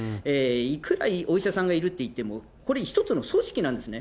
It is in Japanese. いくらお医者さんがいるっていっても、これ、１つの組織なんですね。